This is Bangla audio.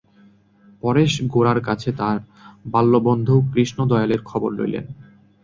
পরেশ গোরার কাছে তাঁহার বাল্যবন্ধু কৃষ্ণদয়ালের খবর লইলেন।